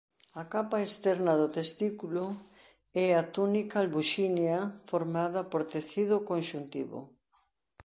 A capa externa do testículo é a túnica albuxínea formada por tecido conxuntivo.